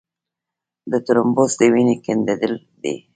د ترومبوس د وینې ګڼېدل دي.